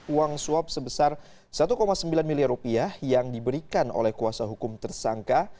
uang suap sebesar satu sembilan miliar rupiah yang diberikan oleh kuasa hukum tersangka